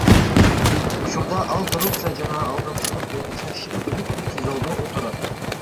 Учурда ал коррупция жана алдамчылык боюнча шектелип ТИЗОдо отурат.